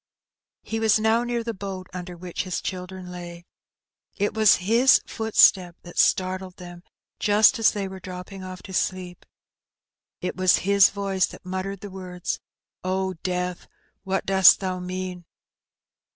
He was now near the boat under which his children lay. It was his footstep that startled them just as they were drop ping off to sleep. It was his voice that muttered the words, "Oh, Death! what dost thou mean?"